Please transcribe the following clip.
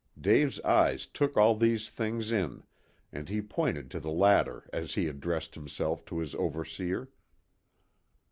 Dave's eyes took all these things in, and he pointed to the latter as he addressed himself to his overseer.